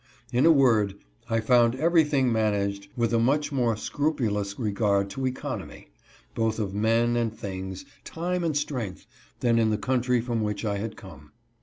In a word, I found everything managed with a much more scrupulous regard to economy, both of men and things, time and strength, than in the country from which I had come.